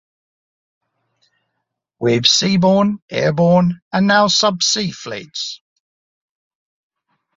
We've seaborne, airborne and now subsea fleets.